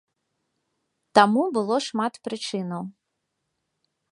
Таму было шмат прычынаў.